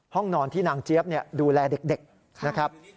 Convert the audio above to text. ห้องนอนที่นางเจี๊ยบดูแลเด็กนะครับ